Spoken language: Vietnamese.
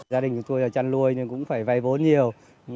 gia đình của tôi là chăn nuôi nhưng cũng phải vay vốn nhiều